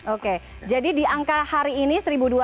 oke jadi di angka hari ini seribu dua ratus empat puluh satu